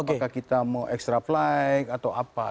apakah kita mau extra flight atau apa